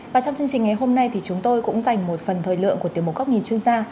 và trong chương trình ngày hôm nay thì chúng tôi cũng dành một phần thời lượng của tiểu mục góc nhìn chuyên gia